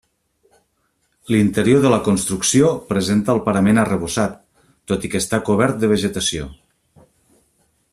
L'interior de la construcció presenta el parament arrebossat, tot i que està cobert de vegetació.